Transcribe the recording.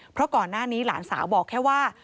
เพราะก่อนหน้านี้หลานสาวบอกแค่ว่า